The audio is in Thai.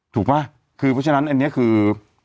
ป่ะคือเพราะฉะนั้นอันนี้คือ